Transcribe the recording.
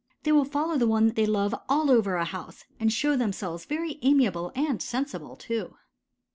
They will follow the one they love all over the house, and show themselves very amiable and sensible, too.